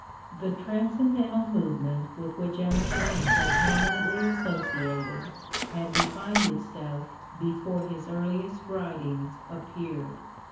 The transcendental movement vsith which Emerson is so prominently associated had defined itself before his earliest writings appeared.